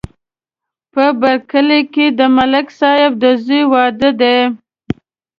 په بر کلي کې د ملک صاحب د زوی واده دی.